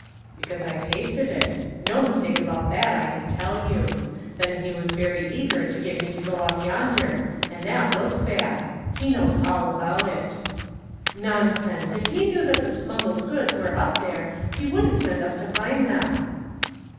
"Because I tasted it. No mistake about that, I can tell you. Then he was very eager to get me to go up yonder, and that looks bad. He knows all about it." "Nonsense! If he knew that the smuggled goods were up there he wouldn't send us to find them."